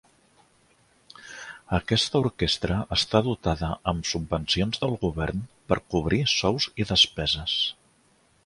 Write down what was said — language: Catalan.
Aquesta orquestra està dotada amb subvencions del govern per cobrir sous i despeses.